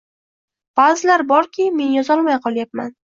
Ba’zilar borki, men yozolmay qolyapman